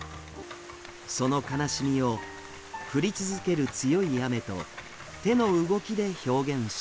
その悲しみを降り続ける強い雨と手の動きで表現しています。